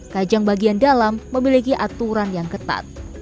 kajang bagian dalam memiliki aturan yang ketat